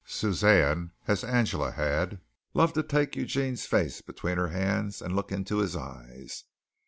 Suzanne, as Angela had, loved to take Eugene's face between her hands and look into his eyes.